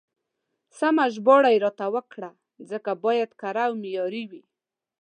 سمه ژباړه يې راته وکړه، ځکه بايد کره او معياري وي.